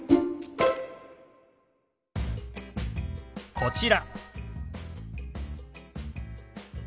こちら。